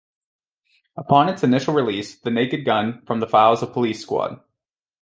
Upon its initial release, The Naked Gun: From the Files of Police Squad!